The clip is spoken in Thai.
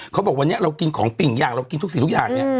เขาบอกวันนี้เรากินของปิ่งอย่างเรากินทุกสิ่งทุกอย่างเนี่ย